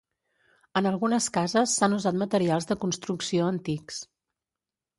En algunes cases s'han usat materials de construcció antics.